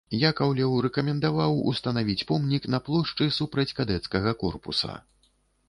Якаўлеў рэкамендаваў устанавіць помнік на плошчы супраць кадэцкага корпуса.